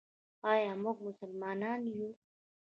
آیا موږ مسلمانان یو؟